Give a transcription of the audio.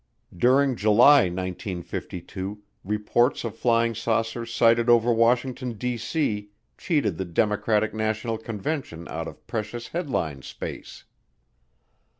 During July 1952 reports of flying saucers sighted over Washington, D.C., cheated the Democratic National Convention out of precious headline space.